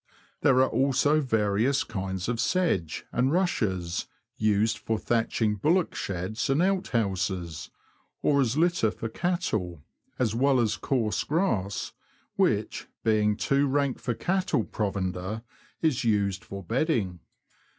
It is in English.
There are also various kinds of sedge and rushes, used for thatching bullock sheds and outhouses, or as litter for cattle, as well as coarse grass, which, being too rank for cattle provender, is used for bedding.